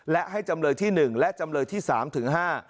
และให้จำเลยที่๑และจำเลยที่๓ถึง๕